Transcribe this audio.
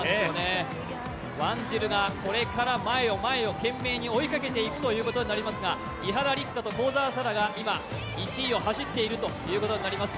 ワンジルがこれから前を前を懸命に追いかけていくということになりますが伊原六花と幸澤沙良が今１位を走っているということになります。